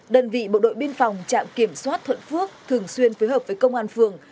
đơn vị bộ đội biên phòng trạm kiểm soát thuận phước thường xuyên phối hợp với công an phường